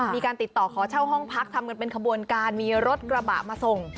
มีการติดต่อขอเช่าห้องพักทำกันเป็นขบวนการมีรถกระบะมาส่ง